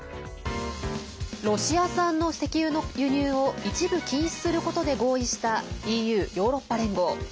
ロシア産の石油の輸入を一部禁止することで合意したＥＵ＝ヨーロッパ連合。